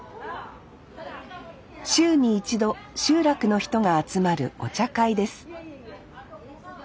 週に一度集落の人が集まるお茶会です